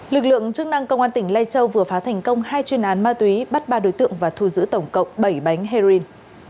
lực lượng chức năng công an tỉnh lai châu vừa phá thành công hai chuyên án ma túy bắt ba đối tượng và thu giữ tổng cộng bảy bánh heroin